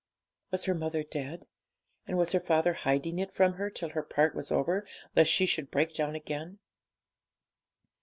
Was her mother dead, and was her father hiding it from her till her part was over, lest she should break down again?